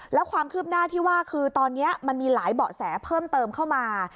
แล้วความคืบหน้าที่ว่าคือตอนนี้มันมีหลายเบาะแสเพิ่มเติมเข้ามา